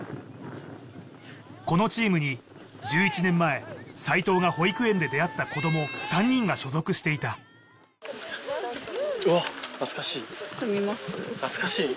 このチームに１１年前斎藤が保育園で出会った子ども３人が所属していた見ます？